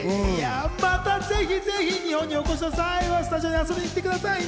また、ぜひぜひ日本にお越しの際はスタジオに遊びに来てくださいね。